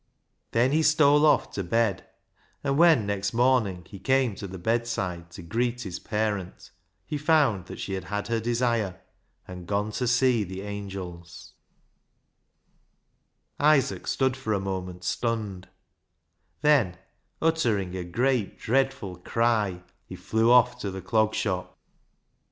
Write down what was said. Then he stole off to bed, and when, next morning, he came to the bedside to greet his parent, he found that she had had her desire, and gone to see the angels, Isaac stood for ISAAC'S ANGEL 273 a moment stunned ; then, uttering a great, dreadful cry, he flew off to the Clog Shop.